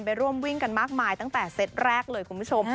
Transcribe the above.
ไปร่วมวิ่งกันมากมายตั้งแต่เซตแรกเลยคุณผู้ชม